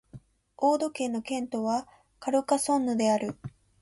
オード県の県都はカルカソンヌである